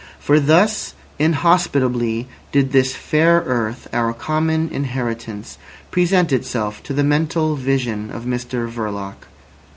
For thus inhospitably did this fair earth, our common inheritance, present itself to the mental vision of Mr Verloc.